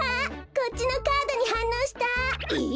こっちのカードにはんのうした。え？